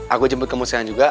aku jemput kamu sekarang juga